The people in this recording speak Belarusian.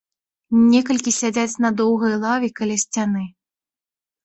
Некалькі сядзяць на доўгай лаве каля сцяны.